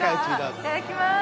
いただきます。